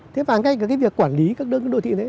thế và ngay cả cái việc quản lý các đơn vị đô thị đấy